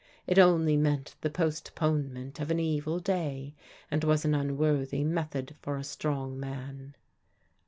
It only meant the postponement of an evil day, and was an unworthy method for a strong man.